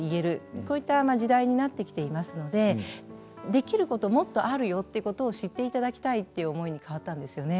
こういった時代になってきていますのでできることもっとあるよってことを知っていただきたいっていう思いに変わったんですよね。